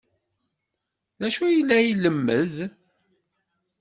D acu ay la ilemmed?